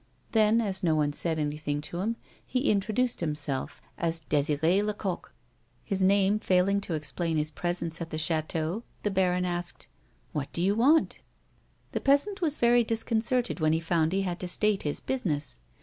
Then, as no one said anything to him he intro duced himself as " Desire Lecoq." This name failing to explain his presence at the chateau, the baron asked :" What do you want ?" The peasant was very disconcerted when he found he had to state his business.